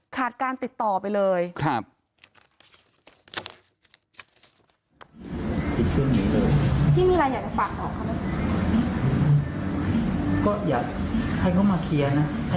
ขาดการติดต่อไปเลยครับ